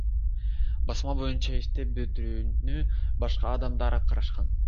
Басма боюнча иштеп бүтүрүүнү башка адамдар аткарышкан.